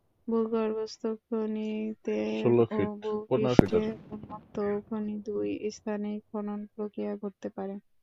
ভূ-গর্ভস্থ খনিতে ও ভূ-পৃষ্ঠে উন্মুক্ত খনি, দুই স্থানেই খনন প্রক্রিয়া ঘটতে পারে।